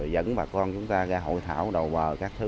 dẫn bà con chúng ta ra hội thảo đầu bờ các thứ